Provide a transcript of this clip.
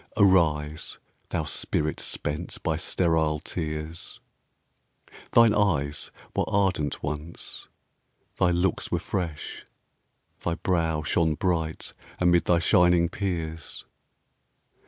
Arise, thou spirit spent by sterile tears; Thine eyes were ardent once, thy looks were fresh, Thy brow shone bright amid thy shining peers.